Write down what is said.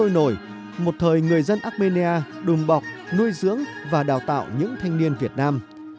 sôi nổi một thời người dân armenia đùm bọc nuôi dưỡng và đào tạo những thanh niên việt nam